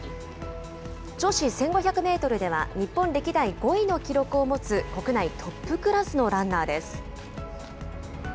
女子１５００メートルでは、日本歴代５位の記録を持つ国内トップクラスのランナーです。